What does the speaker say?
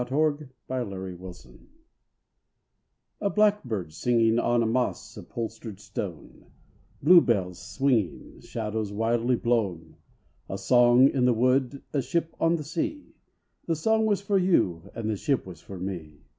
197 TO ONE DEAD A BLACKBIRD singing On a moss upholstered stone, Bluebells swinging, Shadows wildly blown, A song in the wood, A ship on the sea. The song was for you And the ship was for me.